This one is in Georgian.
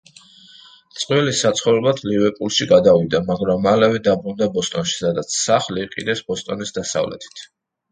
წყვილი საცხოვრებლად ლივერპულში გადავიდა, მაგრამ მალევე დაბრუნდა ბოსტონში, სადაც სახლი იყიდეს ბოსტონის დასავლეთით.